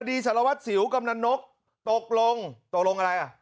สารวัตรสิวกำนันนกตกลงตกลงอะไรอ่ะ